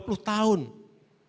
untuk memindahkan budaya